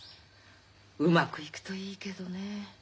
うまくいくといいけどねえ。